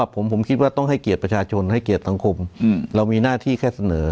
ผมคิดว่าต้องให้เกียรติประชาชนให้เกียรติสังคมเรามีหน้าที่แค่เสนอ